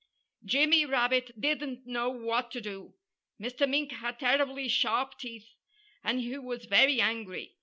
Jimmy Rabbit didn't know what to do. Mr. Mink had terribly sharp teeth. And he was very angry.